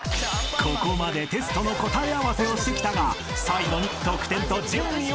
［ここまでテストの答え合わせをしてきたが最後に］